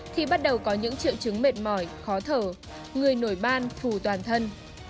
thì bắt đầu có những triệu chứng mệt mỏi khó thở người nổi ban phù toàn thân